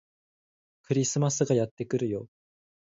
クリスマスがやってくるよ